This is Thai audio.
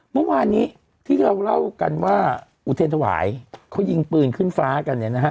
เมื่อวานนี้ที่เราเล่ากันว่าอุเทรนธวายเขายิงปืนขึ้นฟ้ากันเนี่ยนะฮะ